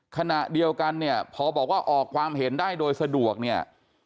ขณะเดียวกันเนี่ยพอบอกว่าออกความเห็นได้โดยสะดวกเนี่ย